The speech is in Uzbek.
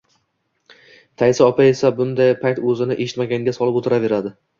Taisa opa esa bunday payt o`zini eshitmaganga solib o`tiraveradi